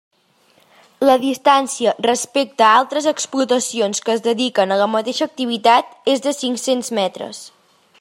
La distància respecte a altres explotacions que es dediquen a la mateixa activitat és de cinc-cents metres.